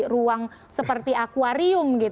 ruang seperti akwarium